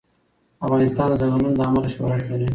افغانستان د ځنګلونه له امله شهرت لري.